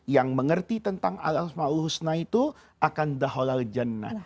yang mengerti tentang al asma'ul husna itu akan dahalal jannah